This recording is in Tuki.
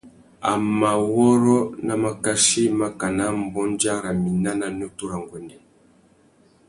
A mà wôrrô nà makachí makana mbôndia râ mina nà nutu râ nguêndê.